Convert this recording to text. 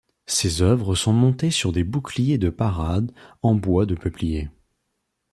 Ces œuvres sont montées sur des boucliers de parade en bois de peuplier.